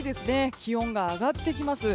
気温が上がってきます。